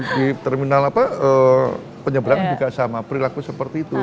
di terminal penyeberangan juga sama perilaku seperti itu